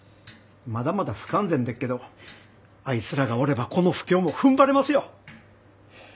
まだまだ不完全でっけどあいつらがおればこの不況もふんばれますよ。